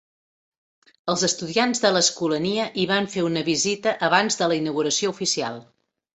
Els estudiants de l'Escolania hi van fer una visita abans de la inauguració oficial.